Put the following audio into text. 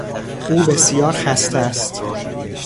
او بسیار خسته است.